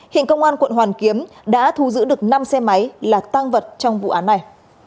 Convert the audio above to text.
hiện công an quận hoàn kiếm đã thu giữ được năm xe máy là tang vật trong vụ án này